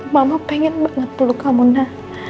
mama pengen banget peluk kamu na